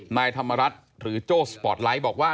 นายธรรมรัฐหรือโจ้สปอร์ตไลท์บอกว่า